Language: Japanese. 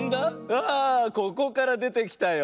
あここからでてきたよ。